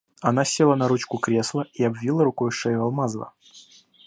Она села на ручку кресла и обвила рукой шею Алмазова.